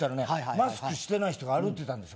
マスクしてない人が歩いてたんです